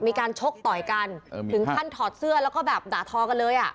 มีการชกต่อยกันถึงท่านถอดเสื้อแล้วก็ด่าท้อกันเลย